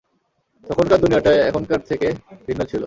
তখনকার দুনিয়াটা এখনকার চেয়ে ভিন্ন ছিল।